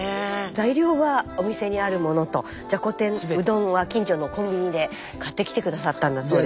材料はお店にあるものとじゃこ天うどんは近所のコンビニで買ってきて下さったんだそうです。